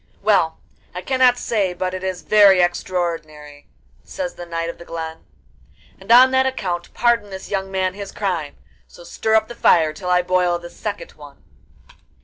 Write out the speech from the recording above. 'Well, I cannot say but it is very extraordinary,' says the Knight of the Glen, 'and on that account pardon this young man his crime; so stir up the fire, till I boil this second one.